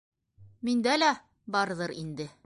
- Миндә лә барҙыр инде...